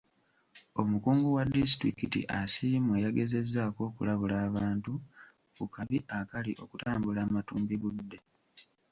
Omukungu wa disitulikiti Asiimwe yagezezzaako okulabula abantu ku kabi akali okutambula amatumbi budde.